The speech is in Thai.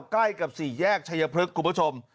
ใกล้กับสี่แยกชัยพฤกษ์คุณผู้ชม